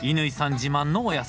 自慢のお野菜